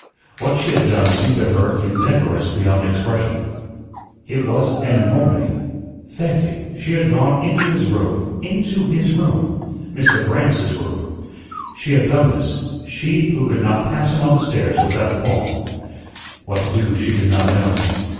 What she had done seemed to her indecorous beyond expression. It was an enormity. Fancy, she had gone into his room, INTO HIS ROOM Mister Grannis's room. She had done this she who could not pass him on the stairs without a qualm. What to do she did not know.